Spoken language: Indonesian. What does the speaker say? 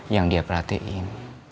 yang dia perhatiin